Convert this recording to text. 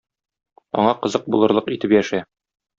Аңа кызык булырлык итеп яшә.